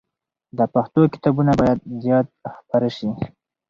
د پښتو کتابونه باید زیات خپاره سي.